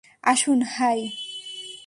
আসুন, হাই!